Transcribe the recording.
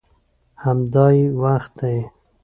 همدا یې وخت دی.